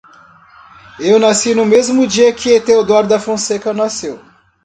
Eu nasci no mesmo dia que Deodoro da Fonseca nasceu.